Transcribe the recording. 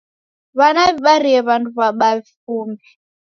W'ana w'ibarie w'andu w'abaa vifumbi.